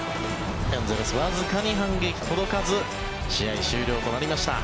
エンゼルス、わずかに反撃届かず試合終了となりました。